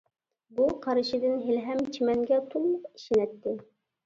بۇ قارىشىدىن ھېلىھەم چىمەنگە تۇللۇق ئىشىنەتتى.